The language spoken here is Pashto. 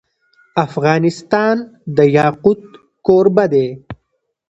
افغانستان د یاقوت کوربه دی.